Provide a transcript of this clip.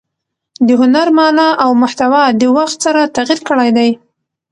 د هنر مانا او محتوا د وخت سره تغیر کړی دئ.